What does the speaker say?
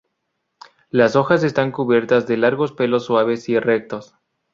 Las hojas están cubiertas de largos pelos suaves, y rectos.